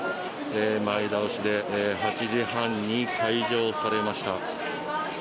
前倒しで８時半に開場されました。